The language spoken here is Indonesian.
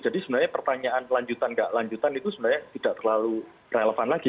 jadi sebenarnya pertanyaan lanjutan nggak lanjutan itu sebenarnya tidak terlalu relevan lagi